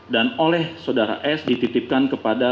dan oleh saudara s dititipkan kepada